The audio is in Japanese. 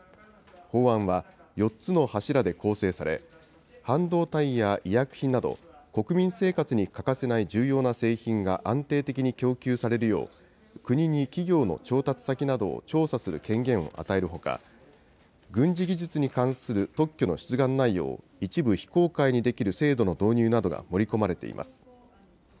法案は、４つの柱で構成され、半導体や医薬品など、国民生活に欠かせない重要な製品が安定的に供給されるよう、国に企業の調達先などを調査する権限を与えるほか、軍事技術に関する特許の出願内容を一部非公開にできる制度の導入などが盛り込まれています。